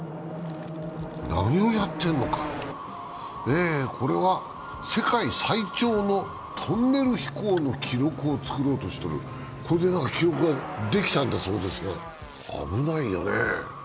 何をやってるのか、これは世界最長のトンネル飛行の記録を作ろうとしているこれで記録ができちゃうんだそうです、危ないよね。